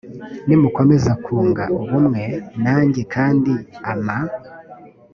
nimukomeza kunga ubumwe nanjye kandi ama